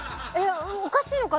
おかしいのかな？